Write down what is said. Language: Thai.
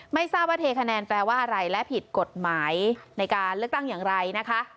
ไม่ทราบว่าเทคะแนนแปลว่าอะไรและผิดกฎหมายในการเลือกตั้งอย่างไรนะคะ